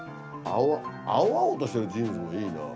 青々としてるジーンズもいいなぁ。